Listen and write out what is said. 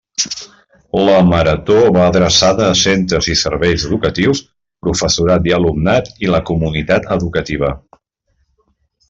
La Marató va adreçada a centres i serveis educatius, professorat i alumnat i la comunitat educativa.